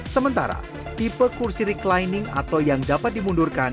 sementara tipe kursi reclining atau yang dapat dimundurkan